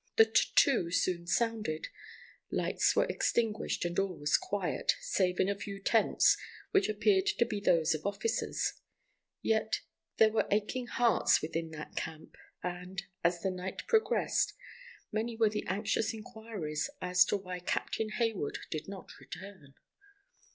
The tattoo soon sounded. Lights were extinguished, and all was quiet, save in a few tents, which appeared to be those of officers. Yet, there were aching hearts within that camp, and, as the night progressed, many were the anxious inquiries as to why Captain Hayward did not return.